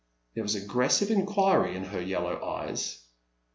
There was aggressive inquiry in her yellow eyes.